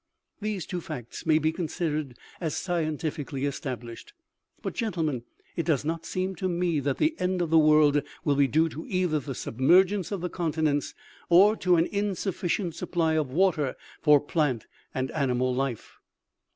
These two facts may be considered as scientifically established. But, gentlemen, it does not seem to me that the end of the world will be due to either the submergence of the conti nents, or to an insufficient supply of water for plant and animal life."